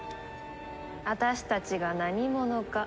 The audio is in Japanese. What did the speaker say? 私たちが何者か。